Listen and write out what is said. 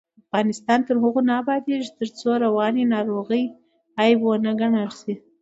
افغانستان تر هغو نه ابادیږي، ترڅو رواني ناروغۍ عیب ونه ګڼل شي.